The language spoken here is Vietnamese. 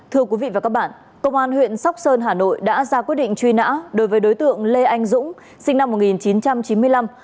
thưa quý vị và các bạn công an huyện sóc sơn hà nội đã ra quyết định truy nã đối với đối tượng lê anh dũng sinh năm một nghìn chín trăm chín mươi năm